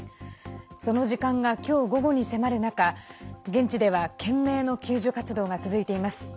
その時間が今日午後に迫る中現地では懸命の救助活動が続いています。